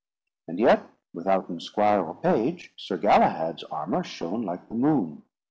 And yet withouten squire or page, Sir Galahad's armour shone like the moon.